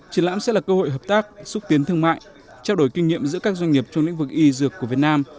triển lãm sẽ là cơ hội hợp tác xúc tiến thương mại trao đổi kinh nghiệm giữa các doanh nghiệp trong lĩnh vực y dược của việt nam